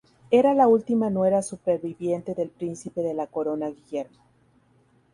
Era la última nuera superviviente del Príncipe de la Corona Guillermo.